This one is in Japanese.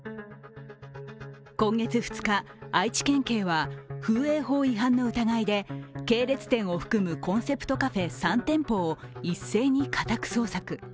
今月２日、愛知県警は風営法違反の疑いで系列店を含むコンセプトカフェ３店舗を一斉に家宅捜索。